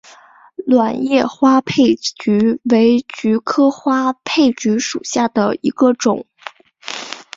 卵叶花佩菊为菊科花佩菊属下的一个种。